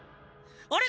あれ？